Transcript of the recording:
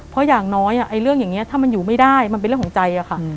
เพราะอย่างน้อยเรื่องอย่างนี้ถ้ามันอยู่ไม่ได้มันเป็นเรื่องของใจอะค่ะ